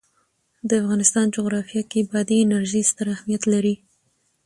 د افغانستان جغرافیه کې بادي انرژي ستر اهمیت لري.